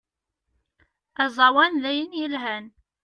Azawan dayen yelhan.